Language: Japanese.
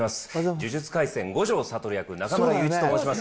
呪術廻戦、五条悟役の中村悠一と申します。